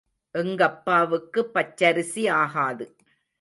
எங்கப்பாவுக்கு பச்சரிசி ஆகாது.